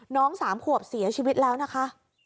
น้องสามขวบเสียชีวิตแล้วนะคะ